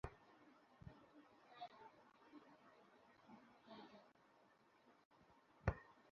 মানববন্ধন চলাকালে বক্তৃতা করেন কলেজের প্রতিষ্ঠাতা জাফর ইকবাল, অধ্যক্ষ ছোলায়মান হোসেন প্রমুখ।